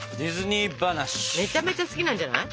めちゃめちゃ好きなんじゃない？